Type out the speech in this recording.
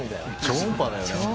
超音波だよね。